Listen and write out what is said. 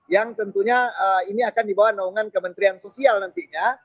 yang tentunya ini akan dibawa naungan kementerian sosial nantinya